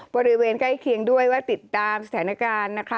บริเวณใกล้เคียงด้วยว่าติดตามสถานการณ์นะคะ